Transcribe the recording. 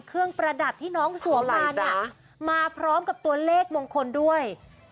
ประดับที่น้องสวมมาเนี่ยมาพร้อมกับตัวเลขมงคลด้วย